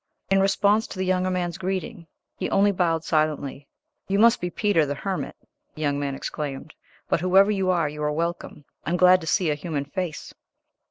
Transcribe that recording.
In response to the younger man's greeting he only bowed silently. "You must be Peter, the hermit," the young man exclaimed; "but whoever you are, you are welcome; I am glad to see a human face."